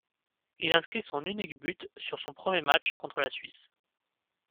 Il inscrit son unique but sur son premier match contre la Suisse.